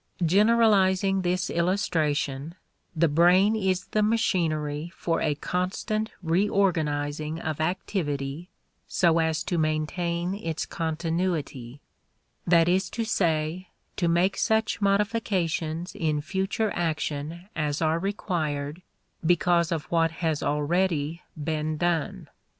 Generalizing this illustration, the brain is the machinery for a constant reorganizing of activity so as to maintain its continuity; that is to say, to make such modifications in future action as are required because of what has already been done.